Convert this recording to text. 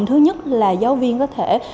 thứ nhất là giáo viên có thể